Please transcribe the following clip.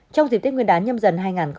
trong dịp tiết nguyên đán nhâm dần